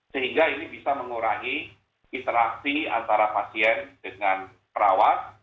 sehingga ini bisa mengurangi interaksi antara pasien dengan perawat